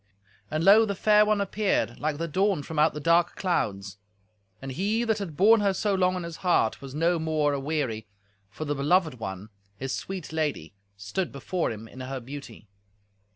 And lo! the fair one appeared, like the dawn from out the dark clouds. And he that had borne her so long in his heart was no more aweary, for the beloved one, his sweet lady, stood before him in her beauty.